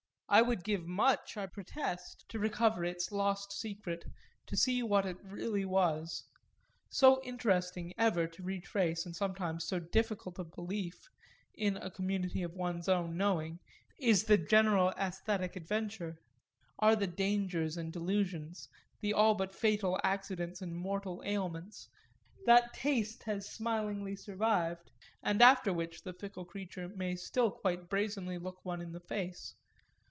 I would give much, I protest, to recover its lost secret, to see what it really was so interesting ever to retrace, and sometimes so difficult of belief, in a community of one's own knowing, is the general æsthetic adventure, are the dangers and delusions, the all but fatal accidents and mortal ailments, that Taste has smilingly survived and after which the fickle creature may still quite brazenly look one in the face.